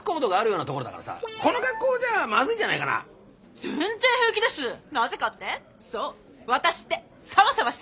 なぜかって？